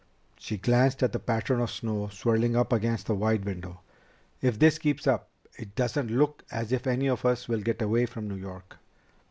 She glanced at the pattern of snow swirling up against the wide window. "If this keeps up, it doesn't look as if any of us will get away from New York."